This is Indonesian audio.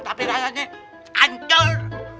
tapi rasanya ancur